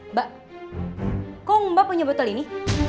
mbak kok mbak punya botol ini